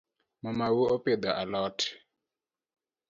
Mamau opidhi alot?